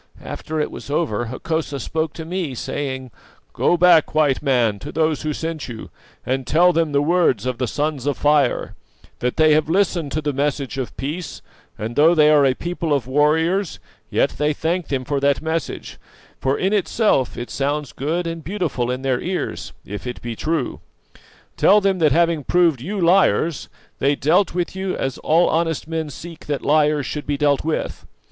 After it was over, Hokosa spoke to me, saying: "'Go back, White Man, to those who sent you, and tell them the words of the Sons of Fire: That they have listened to the message of peace, and though they are a people of warriors, yet they thank them for that message, for in itself it sounds good and beautiful in their ears, if it be true. Tell them that having proved you liars, they dealt with you as all honest men seek that liars should be dealt with.